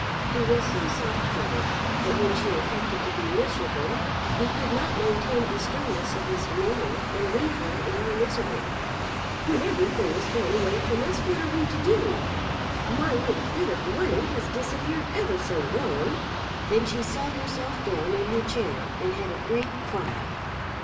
He was so soft hearted that when she affected to be miserable, he could not maintain the sternness of his demeanour and leave her in her misery. "When everything has gone away from us, what are we to do? My little bit of money has disappeared ever so long." Then she sat herself down in her chair and had a great cry.